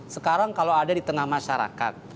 sekarang kalau ada di tengah masyarakat